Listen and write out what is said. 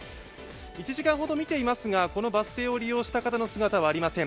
１時間ほど見ていますが、このバス停を利用した人の姿はありません。